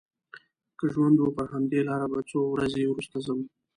که ژوند و پر همدې لاره به څو ورځې وروسته ځم.